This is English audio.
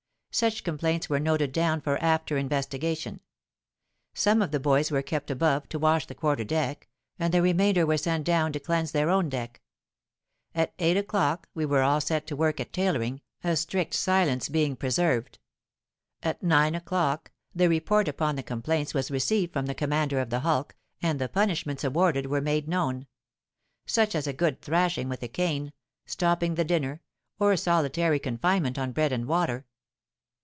Such complaints were noted down for after investigation. Some of the boys were kept above to wash the quarter deck, and the remainder were sent down to cleanse their own deck. At eight o'clock we were all set to work at tailoring, a strict silence being preserved. At nine o'clock the report upon the complaints was received from the commander of the hulk, and the punishments awarded were made known:—such as a good thrashing with a cane, stopping the dinner, or solitary confinement on bread and water.